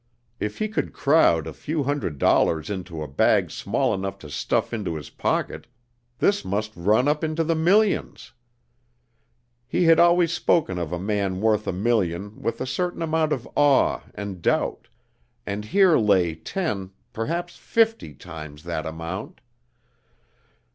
If he could crowd a few hundred dollars into a bag small enough to stuff into his pocket, this must run up into the millions. He had always spoken of a man worth a million with a certain amount of awe and doubt; and here lay ten, perhaps fifty, times that amount.